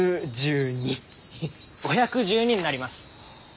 ５１２になります。